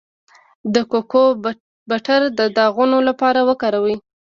د کوکو بټر د داغونو لپاره وکاروئ